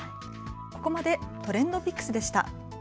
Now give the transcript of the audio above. ここまでＴｒｅｎｄＰｉｃｋｓでした。